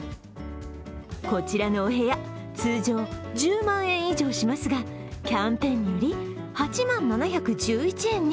こちらのお部屋、通常１０万円以上しますが、キャンペーンにより、８万７１１円に。